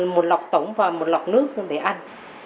một lọc tổng và một lọc nước để ăn